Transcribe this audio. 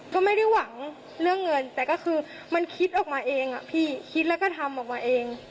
ก็ไม่ได้หวังเรื่องเงินแต่ก็คือมันคิดออกมาเองอะพี่คิดแล้วก็ทำออกมาเอง